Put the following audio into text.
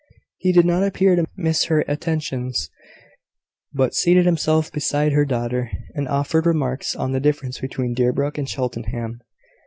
He did not appear to miss her attentions, but seated himself beside her daughter, and offered remarks on the difference between Deerbrook and Cheltenham.